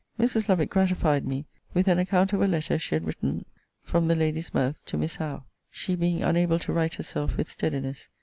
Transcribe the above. Mrs. Lovick gratified me with an account of a letter she had written from the lady's mouth to Miss Howe; she being unable to write herself with steadiness.